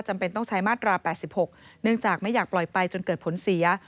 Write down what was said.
จำเป็นต้องใช้มาตรา๘๖เนื่องจากไม่อยากปล่อยไปจนเกิดผลเสีย